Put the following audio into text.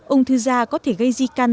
ung thư da có thể gây di căn